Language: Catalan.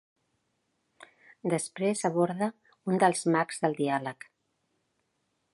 Després aborda un dels mags del diàleg.